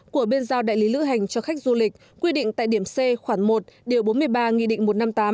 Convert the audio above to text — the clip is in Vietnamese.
của bên giao đại lý lữ hành cho khách du lịch quy định tại điểm c khoảng một điều bốn mươi ba nghị định một trăm năm mươi tám